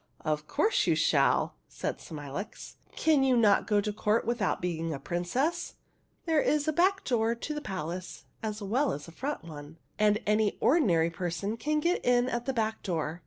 " Of course you shall !" said Smilax. " Can you not go to court without being a princess ? There is a back door to the palace as well as a front one, and any ordinary person can get in at the back door.